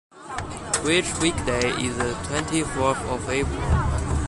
Which weekday is the twenty-fourth of April?